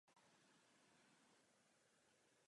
Místo a datum jeho smrti nebylo nikdy zjištěno.